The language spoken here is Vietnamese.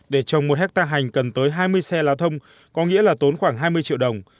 để trồng một hectare hành cần tới hai mươi xe lá thông có nghĩa là tốn khoảng hai mươi triệu đồng